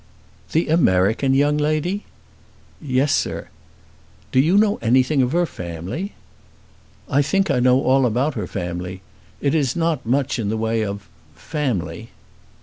"The American young lady?" "Yes, sir." "Do you know anything of her family?" "I think I know all about her family. It is not much in the way of family."